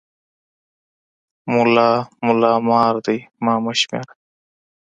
ملا ملا مار دی، ما مه شمېره.